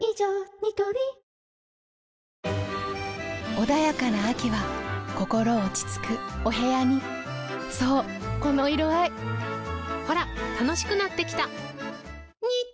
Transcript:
ニトリ穏やかな秋は心落ち着くお部屋にそうこの色合いほら楽しくなってきた！